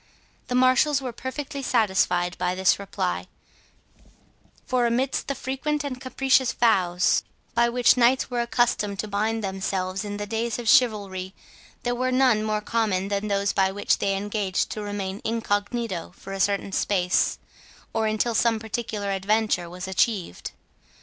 The marshals were perfectly satisfied by this reply; for amidst the frequent and capricious vows by which knights were accustomed to bind themselves in the days of chivalry, there were none more common than those by which they engaged to remain incognito for a certain space, or until some particular adventure was achieved.